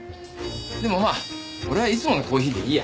でもまあ俺はいつものコーヒーでいいや。